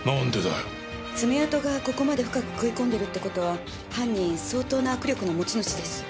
爪痕がここまで深く食い込んでるって事は犯人相当な握力の持ち主です。